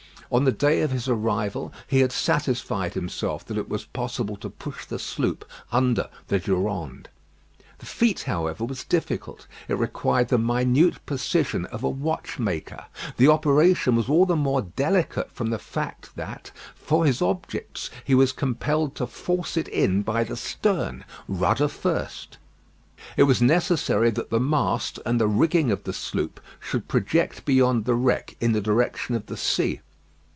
On the day of his arrival he had satisfied himself that it was possible to push the sloop under the Durande. The feat, however, was difficult; it required the minute precision of a watchmaker. The operation was all the more delicate from the fact that, for his objects, he was compelled to force it in by the stern, rudder first. It was necessary that the mast and the ringing of the sloop should project beyond the wreck in the direction of the sea.